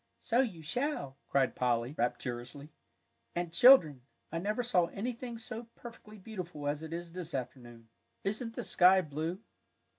"So you shall," cried Polly, rapturously; "and, children, I never saw anything so perfectly beautiful as it is this afternoon! Isn't the sky blue!"